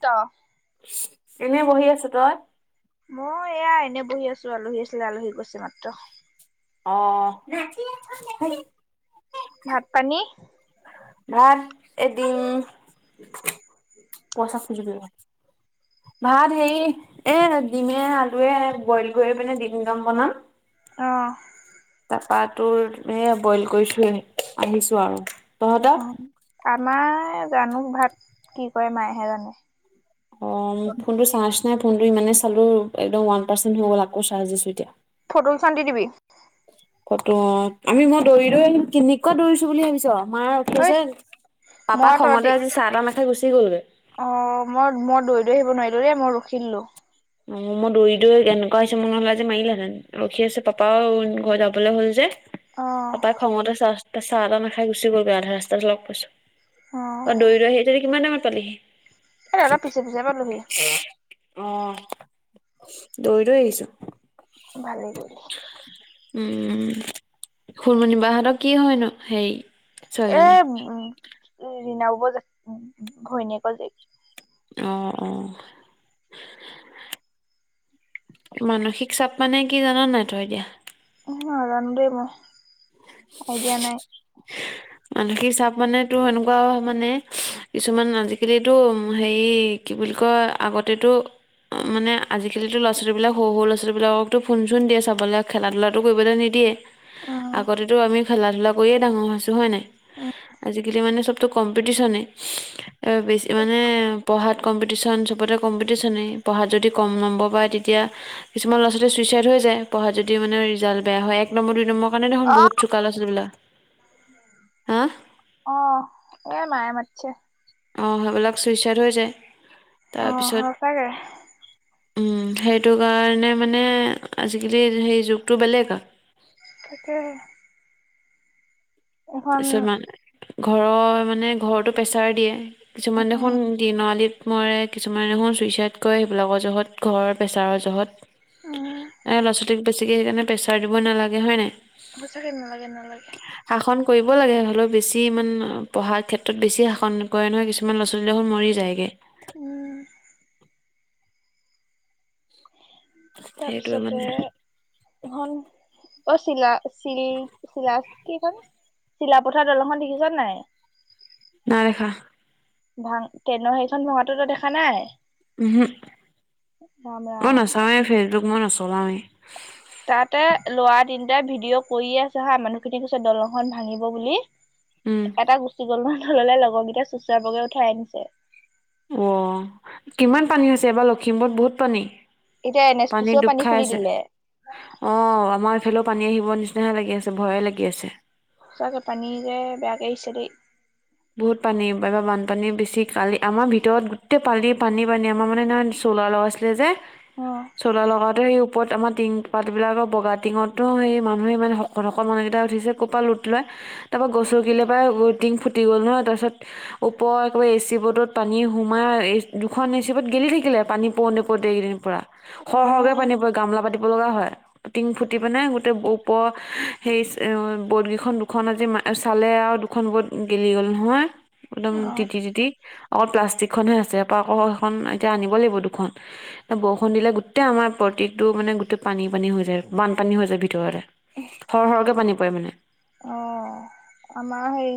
ত। এনেই বহি আছো তই। মই এয়া এনে বহি আছো আলহী আছিলে আলহী গৈছে মাত্ৰ। আহ ভাত -পানী? ন এদিন পইচা খোজিবি ৰ। [unintelligible] ভাত হেৰি এ ডিমে আলুৱে বইল কৰি পিনে ডিম ড'ম বনাম। অঁ ত পাতো এ বইল কৰিছো আহিছো আৰু। তহঁতৰ অ আমাৰ জানুক ভাত কি কৰে মায়েহে জানে। অ ফোনটো চাৰ্জ নাই ফোনটো ইমানেই চালো একদম ওৱান পাৰ্চেণ্ট হ'ল আকৌ চাৰ্জ দিছো এতিয়া। ফটোকিখন দিদিবি। ফটো আমি মই দৌৰি দৰিম [unintelligible] কেনেকোৱা দৌৰিছো বুলি ভাবিছ? আমাৰ ঐ উঠিছে মই পাপাক তহঁতি খঙতে আজি চাহ তাহ নেখাই গুচি গলগে। অ মই মই দৌৰী দৌৰী [unintelligible] আহিব নোৱাৰিলো দেই মই ৰখিদিলো। অ মই দৌৰি দৌৰি এনেকুৱা হৈছে নহলে যে মাৰিলেহেতেন ৰখি আছে পাপাও ঘৰ যাবলৈ হল যে। [unintelligible] অ পাপাই খঙতে চাহ তাহ নাখাই গুচি গলগৈ আধা ৰাস্তাট লগ পাইছো। [unintelligible] অ দৌৰি দৌৰি আহি তহতি কিমান টাইমত পালিহি। এ অলপ পিছে পিছে পালোহি। আহ দৌৰি দৌৰি আহিছো। ভালেই কৰিলি। উম খুনমনিবাহঁতৰ কি হয় ন? হেৰি ছোৱালীজনী? ৰিণাওবজা ঘৈণীয়েক জীয়েক। অ অ মানসিক চাপ মানে কি জান নাই তই এতিয়া? নাজানো দেই মই আইডিয়া নাই। মানসিক চাপ মানে তো সেনেকুৱা মানে কিছুমান আজিকালি এইটো হেৰি কি বুলি কয় আগতেটো অ মানে আজিকালি ল'ৰা-ছোৱালীক সৰু সৰু ল'ৰা-ছোৱালী বিলাককতো ফোন -চোন দিয়ে চাব [unintelligible] আবলে [unintelligible] খেলা ধূলাটো কৰিবলৈ নিদিয়ে উম আগতেতো আমি খেলা ধূলা কৰিয়েই ডাঙৰ হৈছোঁ হয় নাই? আজিকালি মানে সবতো কম্পিটিচনে, বেছি মানে পঢ়াত কম্পিটিশ্যন চবতে কম্পিটিচনে পঢ়াত যদি কম নম্বৰ পায় তেতিয়া কিছুমান ল'ৰা ছোৱালী চুইচাইড হৈ যায় পঢ়াত যদি মানে ৰিজাল্ বেয়া হয় এক নম্বৰ দুই নম্বৰ কাৰণে দেখোন অ বহুত চুকা ল'ৰা-ছোৱালী বিলাক। অ এ মাই মাতিছে। অ সেইবিলাক চুইচাইড হৈ যায় অ তাৰপিছত সঁচাকে উম সেইটো কাৰণে মানে আজিকালি সেই যুগটো বেলেগ আৰু। তাকেহে। তাৰপিছত মানে ঘৰৰ মানে ঘৰতো প্ৰেছাৰ দিয়ে, কিছুমান উম দেখোন দিনআলী মৰে কিছুমা নহয় চুইচাইড কৰে সেইবিলাকৰ জহত ঘৰ প্ৰেছাৰৰ জহত উম এ ল'ৰা ছোৱালীক বেছিকে সেইকাৰণে প্ৰেছাৰ দিব নালাগে হয় নাই? হচাকে নালাগে নালাগে। শাসন কৰিব লাগে হ'লেও বেছি ইমান পঢ়াৰ ক্ষেত্ৰত বেছি শাসন কৰে নহয় কিছুমান ল'ৰা ছোৱালী দেখোন মৰি যায়গে। উ [inaudible] সেইটোৱে তাৰপিছতে মানে ধন অ চিলা চিল চিলা কিখন চিলাপথাৰ দলংখন দেখিছ নাই? নাইদেখা। ভাং তেনে সেইখন ভাঙাটোতো দেখা নাই? উহম্ ৰাম মই ৰাম নচাওঁৱে‌ মই ফেচবুক মই নচলাৱেই। তাতে লৰা তিনিটা ভিডিঅ' কৰিয়ে আছে হা মানুহখিনি কৈছে দলংখন ভাঙিব বুলি। উম এটা গুচি গ'ল নহ‌য় তললে লগৰকেইটা চোচৰাই বগৰাই উঠাই আনিছে। অ কিমান পানী হৈছে এবাৰ লখিমপুৰত বহুত পানী? এতিয়া এন এছ পি চিও পানীত দুব পানী খাই খুলি আছে, দিলে অ আমাৰ এইফাল পানী আহিব নিচিনাহে লাগি আছে ভয়ে লাগি আছে। সচাকে পানী যে বেয়াকে আহিছে দেই। বহুত পানী বাবা বানপানী বেছি কালি আমাৰ ভিতৰত গোটেই পালি পানী পানী আমাৰ মানে নহয় চ'লা লগাইছিলে যে অ চলা লগাতে সেই ওপৰত আমাৰ টিং পাতবিলাকৰ বগা টিঙতো সেই মানুহে মানে শকত শক মানুহকেইটা উঠিছে ক'ৰপৰা লুট লয়, ত ত গছ গ কিলে বা টিং ফুট টি গল নহয় তাৰপিচত ওপৰ একবাৰে এ চি বৰ্ডত পানী সোমাই এ দুখন এ চি বৰ্ডত গেলি থাকিলে। পানী প নপৌতেই ইকেইদিন পৰা সৰ অ সহকে পানী পৰে গামলা পাতি লগা হয় টিং ফুটি পিনে গোটই ওপ হেই বদকেইখন দুখন আজি আৰু চালে আৰু দুখন বত গেলি গ'ল নহয় একদম অ তিতি তিতি অকল প্লাষ্টিক খনহে আছে। সেইখন এতিয়া আনিব লাগিব দুখন, এয়া বৰষুণ দিলে গোটেই আমাৰ প্ৰটিটো মানে গোটেই পানী। পানী হৈ যায় বানপানী হৈ যায় ভিতৰতে। সৰ সৰকে পানী পৰে মানে আহ আমাৰ হেই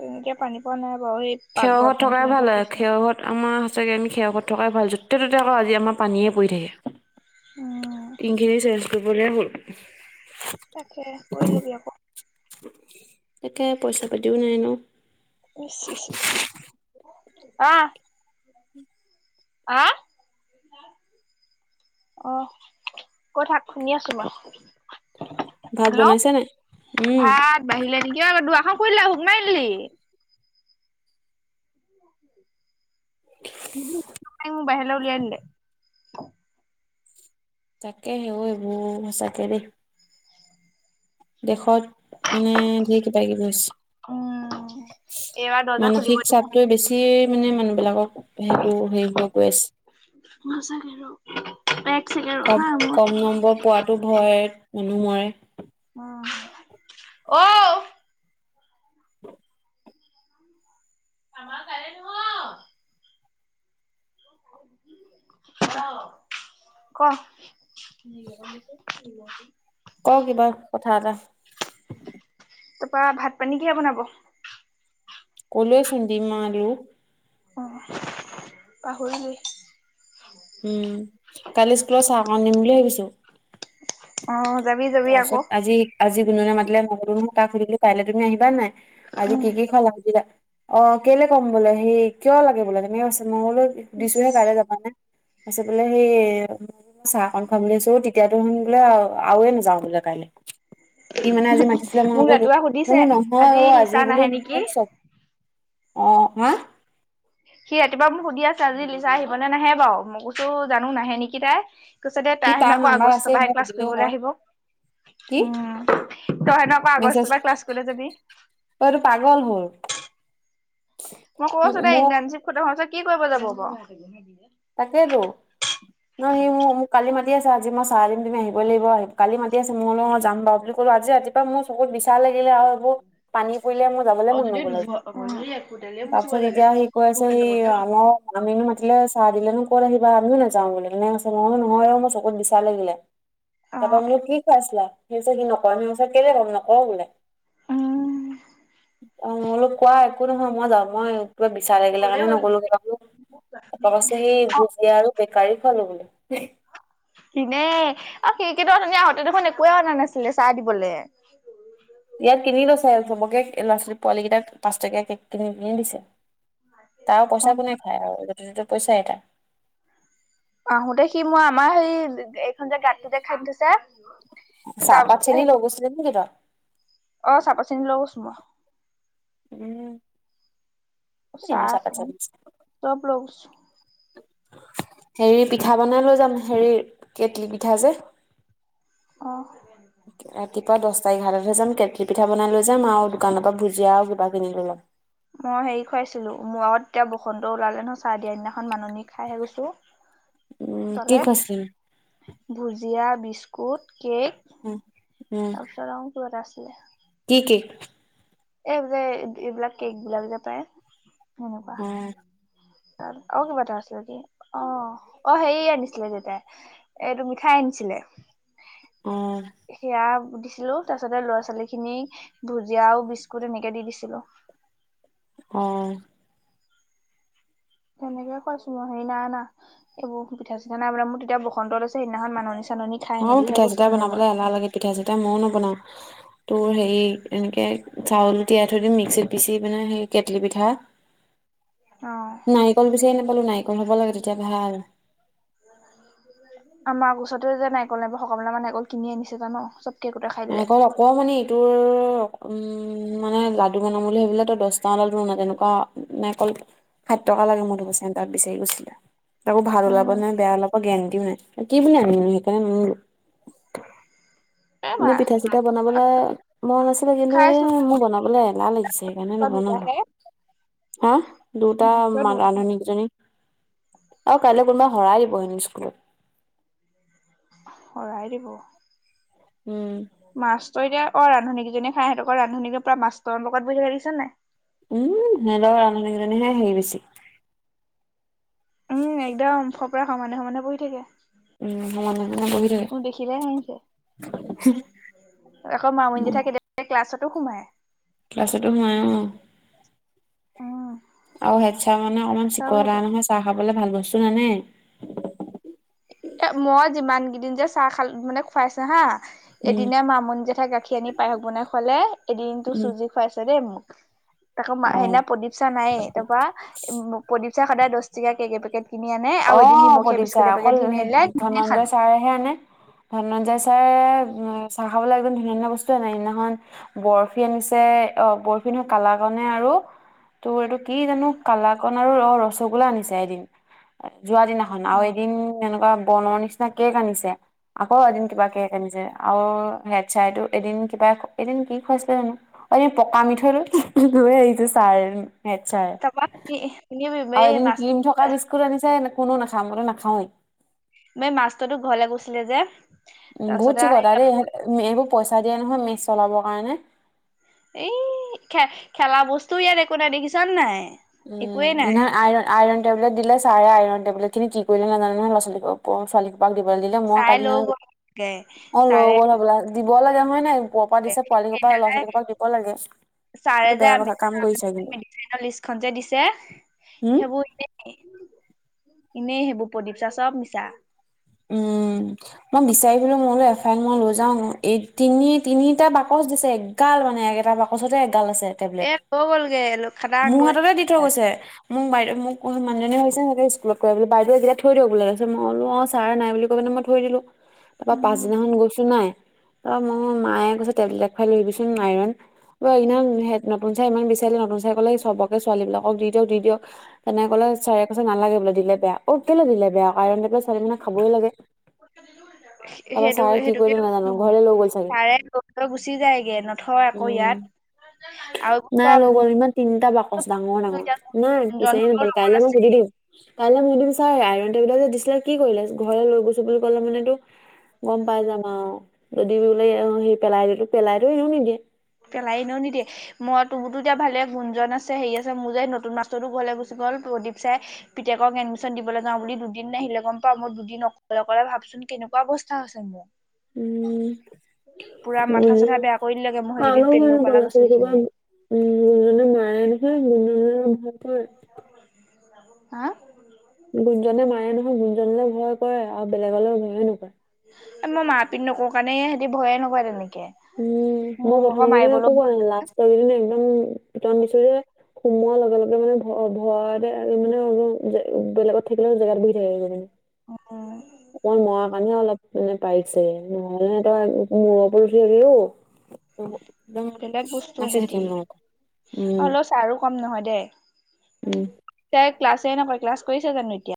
তেনেকে পানী পোৱা নাই। বাৰু এই খেৱ পাকঘৰ ঘৰত থকাই টিংখিনিতহে ভাল হয় পৰিছে খেৱৰ ঘৰত আমাৰ স চাগে আমি খেৱত থকাই ভাল য'তে ত'তে আকৌ আজি আমাৰ পানীয়ে পৰি থাকে। উম তিংখিনি চেঞ্জ কৰিবলে হল। তাকে কৰি লবি আকৌ। তাকে পইচা পাতিও নাই ন। ইছ ইচ ইছ আহ। আহ? অ কই থাক শুনি আছো মই। হেল্ল' উম ভাত বাঢ়িলে নিকি? অ শুই ল শোক মাৰি দিলি। বাহীয়লে উলিয়ায় দিলে। তাকে সে এইবোৰ সঁচাকে দেই। দেশত মানে ধেৰ কিবা কিবি উম হৈছে। এইবাৰ দৰ্জা খুলিব মানসিক দিলে চাপটোয়ে বেছি মানে মানুহ বিলাকক সেইটো হেৰি হৈ গৈ আছে। সঁচাকে ৰ [unintelligible] এক ছেকেণ্ড ৰ কম হা মোৰ কম নম্বৰ পোৱাটো ভয় মানুহৰে আহ। [inaudible] [inaudible] আমাৰ [unintelligible] ক [unintelligible] ক'কিবা কথা এটা তাৰপা ভাত পানী কিহে বনাব? কলোৱেচুন ডিম আলু। অহ, পাহৰিলো। উম, কালি স্কুলত চাহকণ নিম বুলি ভাবিছো। অহ তাৰপিছত আজি -আজি গুনগুনে মাতিলে মুক তাক সুধিলো কাইলৈ তুমি আহিবা নাই। আজি উম কি- কি খুৱালে সুধিলে অহ কেলে ক'ম বোলে সি কিয় লাগে বোলে তেনেকে কৈছে। মই বোলো সুধিছোঁ হে কাইলৈ যাবা নে। তাছত বোলে সেই চাহকন খুৱাম বুলিছো তেতিয়াতো শুন বোলে আৱে ন যাওঁ বোলে কাইলে ই মানে আজি মাতিছিলে মই মোক নগলো ৰাতিপুৱা সুধিছে বোলো নহয় অ' আজি লিচা বোলো নাহে নেকি? মোৰ চব অহ, ৱাহ সি ৰাতিপুৱা মোক সুধি আছে আজি লিচা আহিবনে নাহে বাৰু মই কৈছু জানো নাহে নেকি তাই। কৈছে দে সি তাই হেনো তাৰ আকৌ নাম্বাৰ আছে আগষ্টৰ পৰাহে মোক ক্লাছ সুধিলেও কৰিবলৈ হয় আহিব। কি উম, তই হেন আকো মেছেজ আগষ্টৰ পা ক্লাছ কৰিবলে যাবি। অ এইটো পাগল হ'ল মই ম- কছো তাই মোৰ ইণ্টাৰ্ণশ্বিপ খতম হৈছে কি কৰিব যাব বাৰু। তাকেইতো। নহ সি মোৰ মোক কালি মাতি আছে আজিই চাহ দিম তুমি আহিব লাগিব আহ কালি মাতি আছে মই বোলো অহ যাম বাৰু বুলে কত আজি ৰাতিপা মোৰ চকুত বিছ ছা লাগিলে আৰু এইবোৰ পানী পৰিলে মোৰ যাবলে অ', মন যদি নগল আজি দুঘৰ একোটালে মুচিব তাৰপিছত লাগে। এতিয়া সি ক ছে সি আমৰ আমিনো মাতিলে দিলে নো কত আহিবা আমিও নাযাওঁ বুলে মই কৈছোঁ নহয় অহ মোৰ চকত বিচা লাগিলে। তাৰ পৰা অ', মোক কি খুৱাইছিলা [unintelligible] সেই কেনে কম নকৰো বোলে। [inaudible] উম। অহ, অলপ কোৱা একো নহয় মই যাওঁ মই। কিবা বিচাৰে আহগিলা ক'লে কাৰণে হ'ল নকৰলো কিবাকো এপাক আছে সেই ভুজিয়া আৰু গাৰি খোৱালো বোলে [unintelligible] একোৱে আনা নাছিলে চাহ দিবলে। [inaudible] ইয়াত কিনি লৈছে চবকে ল'ৰা -ছোৱালী পোৱালী কেইটাক পাঁচটকীয়া কেক কিনি- কিনি দিছে। তাৰ পইচা কোনে খায় আৰু য'তে - তটে পইচাই তাৰ। আহোতে সি মই আমাৰ সেই এইখন যে গাঁতটোযে খানি থৈছে চাহপাত চেনি তাৰপিছতে লৈ গৈছিলে নেকি তই? [inaudible] অহ চাহ - পাত চেনি লৈ গৈছো মই। উম। [unintelligible] চাহ চেনি চব লৈ গৈছো হেৰি পিঠা বনাই লৈ যাম হেৰি কেটলি পিঠা যে অহ ৰাতিপুৱা দচটা এঘাৰটাতহে যাম কেটলি পিঠা বনাই লৈ যাম আৰু দোকানৰ পৰা ভুজিয়া আৰু কিবা কিনি লৈ ল'ম। মই হেৰি খুৱাইছিলো মোৰ আগত এতিয়া বসন্ত ওলালে নহয় চাহ দিয়া দিনাখন মাননি খাইহে গৈছো। উম কি তালে খুৱাইছিলি ভুজিয়া, বিস্কুট কেক উম উম তাৰপিছত আৰু কিবা এটা আছিলে। কি কেক এব যে এইবিলাক কেক বিলাক যে পাই সেনেকুৱা। অ অহ, কিবা এটা আছিলে কি অহ - অহ হেৰি আনিছিলে দেউতাই এইটো মিঠাই আনিছিল লে। অ সেয়া দিছিলো তাৰছতে ল'ৰা -ছোৱালী খিনি ভুজিয়াও বিচ কুট এনেকে দি দিছিলো। অহ তেনেকে কৈছো মই হেৰি নাই আনা এইবোৰ পিঠা- চিঠা নাই বোলে মোৰ তেতিয়া বসন্ত আছে সিদিনাখন মানুহ নিচ অ পিঠা চিঠা বনাবলৈ এলাহ লাগে পিঠা চিঠা ময়ও নবনাওঁ। [unintelligible] তোৰ হেৰি এনেকে চাউল তিয়াই থৈ দিও মিক্সিত পিচি মানে সেই কেটলি পিঠা। অ [inaudible] নাৰিকল বিচাৰি নাপালো নাৰিকল হ'ব লাগে তেতিয়া ভাল। আমাৰ গওচৰত যে নাৰিকল নাইব সকল মিল মাৰ নাৰিকল কিনি আনিছেজান চব। [unintelligible] দিলে নাৰিকল আকমানে ইটোৰ। উম মানে লাডু বনাম বুলি ভাবিলেটো দহটামান লাডু [unintelligible] তেনেকুৱা নাইকল। হাতটকা লাগে মই ধব চেণ্টাৰত বিচাৰি গৈছিলে। [unintelligible] আকো ভাল ওলাব উম নাই বেয়া ওলাব গেৰেণ্টিও নাই কি বুলি আনিনো সেইকাৰণে নানিলো। [inaudible] এ মা এনে পিঠা চিঠা বনাবলৈ মন আছিল কিন্তু এ খাইছো মোৰ বনাবলৈ এলাহ লাগিছে সেইকাৰণে নবনালো। দুটাহে হা দুটা দুটা ৰান্ধনিকজনী। [unintelligible] অ কাইলৈ কোনোবাই শৰাই দিব হেনো স্কুলত। পাৰিব। উম। মাছতো এতিয়া অ ৰান্ধনীকেইজনীয়ে খাই সিহঁতক ৰান্ধনীক পুৰা মাষ্টৰলগত বহি থকা দেখিছ নাই? উম হেত ৰান্ধনিকিজনি হে সেই বেছি। [unintelligible] উম একদম ফপৰা সমানে সমানে বহি থাকে। উম সমানে। সমানে বহি থাকে। মোক দেখিলে হাঁহিছে। আকৌ মামনি দি থাক কে ক্লাছত। টো সোমাই। ক্লাছতো সোমাই অ। উম আৰু হেডচাৰ মানে অকমান চব চিকতা সেইটো নহয়। চাহ লে ভাল বস্তু নানে। [unintelligible] এ মই যিমান কিদিন যে চাহ খাল মানে খুৱাইছা হা [unintelligible] উম। এদিনা মামণী জেঠাই গাখীৰ আনি পায়স বনাই খুৱালে। এদিনতো উম চুজি খুৱাইছে দেই মোক। তাকৌ অ। সেইদিনা প্ৰদীপ চা নাইয়ে। তাপা প্ৰদীপ চাৰ সদায় দহ টকা কেক এপেকেট। [unintelligible] কিনি আনে আৰু এদিন অ', নিমখীয়া প্ৰদীপ ছাৰ বিস্কুট অকল এপেকেত। ধনঞ্জয় চাৰেহে আনে। ধনন চাৰে চাহ খাবলৈ একদম ধুনীয়া ধুনীয়া বস্তু আনে। সিদিনাখন বৰফি আনিছে অ। পৰফিনিও কালা কণে আৰু [unintelligible] তোৰ এইটো কি জানো কালাকন আৰু অ ৰসগোল্লা আনিছে এদিন। যোৱা দিনাখন আও এদিন বনৰ নিচিনা কেক আনিছে। আকৌ এদিন কিবা কেক আনিছে আও হেড চাইটো এদিন। কিবা এদিন কি খুৱাইছিলে জানো? অই ই পকা মিঠৈটো লৈয়ে আহিছে চাৰ। [unintelligible] থাপা কি বুলি [unintelligible] আৰু এদিন ক্ৰীম থকা বিস্কুট আনিছে। কোনো নাখাম মানে নাখাওৱেই। [unintelligible] ম মাছটোতো ঘৰলে গৈছিলে যে। [unintelligible] উম বহুত চিকটা দেই। তাৰপিছতে এইবোৰ পইচা দিয়ে নহয় মেচ চলাবৰ কাৰণে। [unintelligible] এই খে খেলা বস্তু ইয়াত একো নাই দেখিছ নে নাই? একোৱে উম নাই ইনাৰআ আইৰণ। [unintelligible] টেবলেট দিলে। চাৰে আইৰণ টেবলেটখিনি কি কৰিলে নাজানো নহয় লৰা ছোৱালী কোন ছোৱালী হোপাক দিব। [unintelligible] দিলে মই চাই কালি লৈ নহয় গ'ল গে অ লৈ ছাৰে গ'ল হবলা। দিব লাগে। উপাই নাই ব পা দিছে পোৱালি হোপাক লৰাছোৱালী হোপাক দিব লাগে। এইটো ছাৰেজে বেয়া আমি কথা কাম কৰিছা কিন্তু [unintelligible] লিষ্টখনজে [unintelligible] দিছে? হুম, সেইবোৰ এনে। এনেই সেইবোৰ প্ৰদীপ চাৰ চব মিছা। উম মই বিচাৰিছিলুং মই বোলো এখনমান মই লৈ যাও ন। এই তিনি তিনিটা বাকচ [unintelligible] দিছে এগাল মানে এটা বাকচতে এগাল আছে। টে টেবলেট। এ লৈ গ'লগে খাটাং মোৰ লৈ হাততে দি থৈ গৈছে। মোক বাইদেউ মোক মানুজনিয়ে হৈছে স্কুলত বাইদেউ এইকেইটা থৈ দিয়ক বোলে তাৰপিছত মই কলোঁ আৱ। [unintelligible] ছাৰে নাই বুলি কই পিনে মই থৈ দিলো। তাপা পাছদিনাখন গৈছো নাই? অ মোৰ মায়ে কৈছে টেবলেট খুৱাই লৈ আহিবিচোন আইৰণ। ব ইমান নতুন চাৰে ইমান বিচাৰিলে নতুন চাৰে কলে সবকে ছোৱালী বিলাকক দি দিয়ক দি দিয়ক তেনে কলে। চাৰে কৈছে নালাগে বোলে দিলে বেয়া, অ কেলে দিলে বেয়া। আইৰণ টেবলেট ছোৱালী মানুহে খাবই লাগে। তাৰপৰা সেইটোক ছাৰে কি কৰিলে সেইটোকেটো নাজানো ঘৰলৈ লৈ গ'ল চাগে ছাৰে ল লৈ গুচি যায়গে নথয় আকৌ উম ইয়াত। আৰু নাই চব লগৰ ইমান তিনটা বাকচ ডাঙৰ- ডাঙৰ। নাই বিচাৰিয়ে নাপালো। লগত কাইলৈ মই আছে সুধি দিম। কাইলৈ মই দিম চাৰ আইৰন টেবলেট যে দিছিলে কি কৰিলে? ঘৰ লৈ গৈছো বুলি কলে মানে তো। গম পাই যাম আৱ। যদি বোলে এওঁ সেই পেলাই দিলো। পেলাই টো ইও নিদিয়ে। পেলাই এনেও নিদিয়ে। মই তুৰতো এতিয়া ভালে গুণজন আছে হেই আছে মো যে নতুন মাষ্টৰতো ঘৰলে গৈছো। গ'ল প্ৰদীপ চাই পিতেকক এডমিশ্যন দিবলৈ যাও বুলি দুদিন নাহিলে গম পাৱ? মই দুদিন অকলে অকলে ভাবছো। কেনেকুৱা অৱস্থা আছে মো। উম পুৰা মাথা চাথা বেয়া কৰি দি লেগে মোক সেইকিদি। [unintelligible] [unintelligible] হা। গুনজনে মাৰে নহয় গুণজনলৈ ভয় কৰে আৰু বেলেগলৈ ভয়ে নকৰে। মই মা পিত নকৰো কাৰণে সিহতি ভয়ে নকয় তেনে উম। মই প্ৰথম কেইদিন একো কোৱা নাই লাষ্ট কেইদিন একদম পিতন দিছো যে। সোমোৱাৰ লগে লগে মানে ভ ভৰাতে মানে অ বেলেগত থাকিলে জেগাত বহি থাকে মানে। উম অকলমান মৰাৰ কাৰণেহে অলপ মানে পাৰিছে নহলে সিহঁতৰ মূৰৰ ওপৰত ও [unintelligible] [unintelligible] বেলেগ বস্তু সিহঁতি উম। হ'লেও ছাৰো কম নহয় দে উম। তাই ক্লাছে নকয় ক্লাছ কৰিছে জানো এতিয়া।